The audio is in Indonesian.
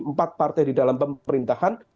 empat partai di dalam pemerintahan